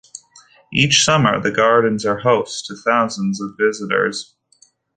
Each summer, the gardens are host to thousands of visitors.